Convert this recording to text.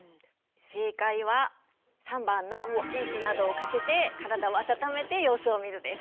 正解は３番のシーツなどをかけて体を温めて様子をみるです。